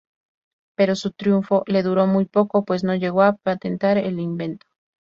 Pero su triunfo le duró muy poco, pues no llegó a patentar el invento.